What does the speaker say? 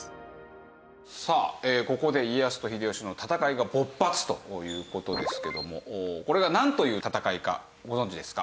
さあここで家康と秀吉の戦いが勃発という事ですけどもこれがなんという戦いかご存じですか？